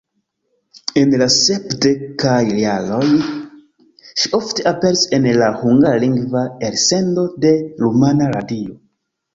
En la sepdekaj jaroj ŝi ofte aperis en la hungarlingva elsendo de Rumana Radio.